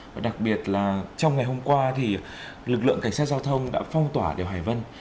và đặc biệt là trong ngày hôm qua thì lực lượng cảnh sát giao thông đã phong tỏa đèo hải vân